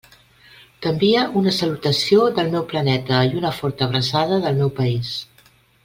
T'envie una salutació del meu planeta i una forta abraçada del meu país.